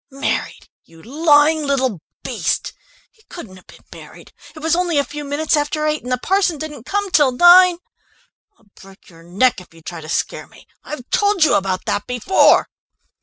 "Married, you lying little beast! He couldn't have been married! It was only a few minutes after eight, and the parson didn't come till nine. I'll break your neck if you try to scare me! I've told you about that before...."